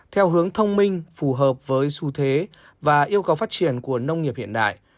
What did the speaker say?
theo hướng thông minh phù hợp với xu thế và yêu cầu phát triển của nông nghiệp hiện đại